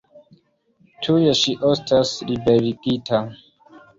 Tuj ŝi estos liberigita.